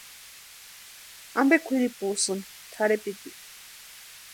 ¿Ampe kwʼiripusïni tʼarhepiti?